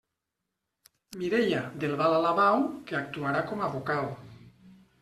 Mireia del Val Alabau, que actuarà com a vocal.